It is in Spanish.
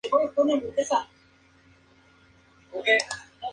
El transepto sur presenta columnas góticas integradas en la decoración románica.